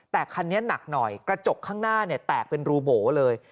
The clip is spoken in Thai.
แต่คันนี้หนักหน่อยกระจกข้างหน้าแตกเป็นรูโบ๋เลย